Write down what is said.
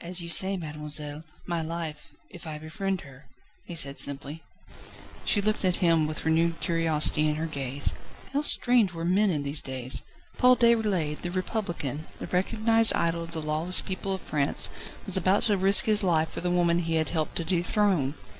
"As you say, mademoiselle, my life, if I befriend her," he said simply. She looked at him with renewed curiosity in her gaze. How strange were men in these days! Paul Déroulède, the republican, the recognised idol of the lawless people of France, was about to risk his life for the woman he had helped to dethrone.